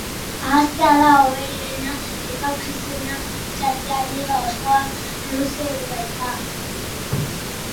Ahaztea da hoberena, etorkizunean pentsatzea liga oso luzea baita.